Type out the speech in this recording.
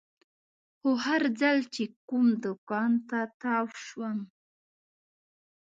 خو هر ځل چې کوم دوکان ته تاو شوم.